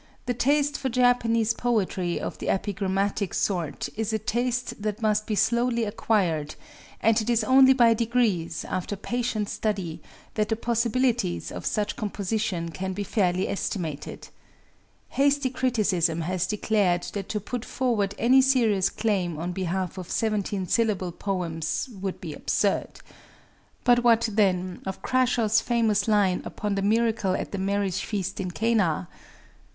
The taste for Japanese poetry of the epigrammatic sort is a taste that must be slowly acquired; and it is only by degrees, after patient study, that the possibilities of such composition can be fairly estimated. Hasty criticism has declared that to put forward any serious claim on behalf of seventeen syllable poems "would be absurd." But what, then, of Crashaw's famous line upon the miracle at the marriage feast in Cana?